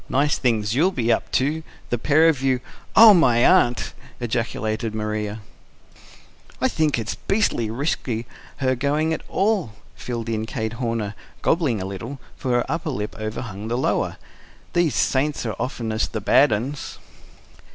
"Nice things you'll be up to, the pair of you oh, my aunt!" ejaculated Maria. "I think it's beastly risky her going at all," filled in Kate Horner, gobbling a little; for her upper lip overhung the lower. "These saints are oftenest bad 'uns."